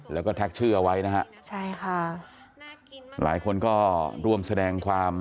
แล้วก็แท็กชื่อเอาไว้นะฮะใช่ค่ะหลายคนก็ร่วมแสดงความ